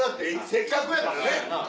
せっかくやからね。